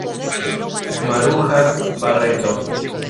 Maruja Barreto